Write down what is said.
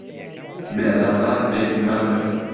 بێ نانان بێ ئیمان مرد